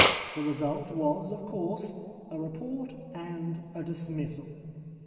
The result was, of course, a report and a dismissal.